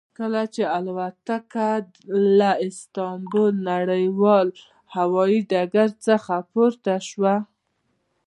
کله چې الوتکه له استانبول نړیوال هوایي ډګر څخه پورته شوه.